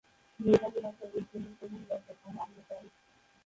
নেপালি ভাষা এই শ্রেণীর প্রধান ভাষা।